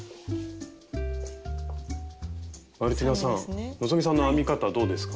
マルティナさん希さんの編み方どうですか？